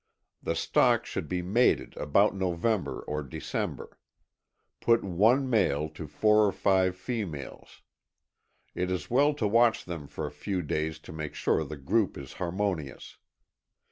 The stock should be mated about November or December. Put one male to four or five females. It is well to watch them for a few days to make sure the group is harmonious.